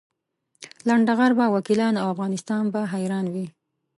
لنډه غر به وکیلان او افغانستان به حیران وي.